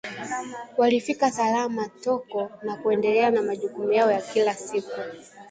Walifika salama Toko na kuendelea na majukumu yao ya kila siku